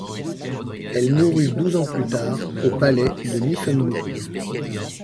Elle mourut douze ans plus tard au palais de Nymphembourg.